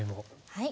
はい。